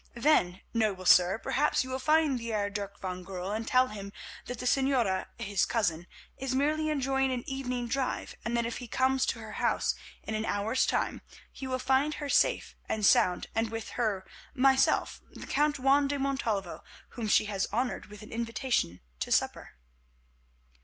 Then, noble sir, perhaps you will find the Heer Dirk van Goorl and tell him that the Señora, his cousin, is merely enjoying an evening drive, and that if he comes to her house in an hour's time he will find her safe and sound, and with her myself, the Count Juan de Montalvo, whom she has honoured with an invitation to supper."